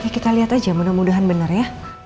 kita lihat aja mudah mudahan benar ya